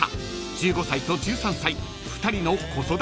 ［１５歳と１３歳２人の子育て秘話も］